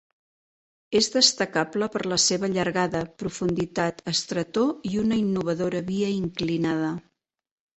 És destacable per la seva llargada, profunditat, estretor i una innovadora via inclinada.